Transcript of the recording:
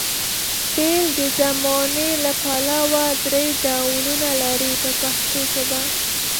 فعل د زمانې له پلوه درې ډولونه لري په پښتو ژبه.